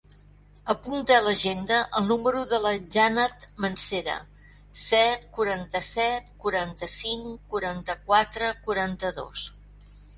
Apunta a l'agenda el número de la Janat Mancera: set, quaranta-set, quaranta-cinc, quaranta-quatre, quaranta-dos.